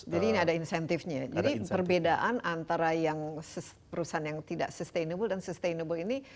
jadi ini ada insentifnya jadi perbedaan antara yang perusahaan yang tidak sustainable dan sustainable ini